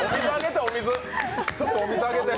ちょっと、お水あげて。